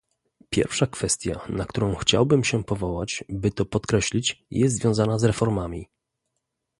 Pierwsza kwestia, na którą chciałbym się powołać, by to podkreślić, jest związana z reformami